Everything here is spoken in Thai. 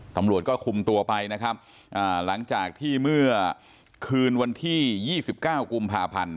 ตำรวจก็คุมตัวไปนะครับหลังจากที่เมื่อคืนวันที่๒๙กุมภาพันธ์